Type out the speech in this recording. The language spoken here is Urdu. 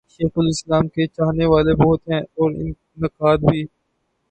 شیخ الاسلام کے چاہنے والے بہت ہیں اور نقاد بھی۔